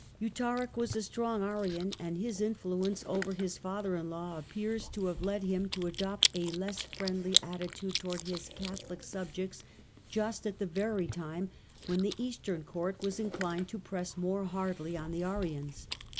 Eutharic ?as a strong Arian, and his influence over his father in ^W appears to have led him to adopt a less friendly ttitude towards his Catholic subjects just at the very ime when the Eastern Court was inclined to press more ardly on the Arians.